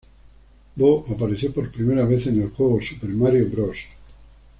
Boo apareció por primera vez en el juego "Super Mario Bros.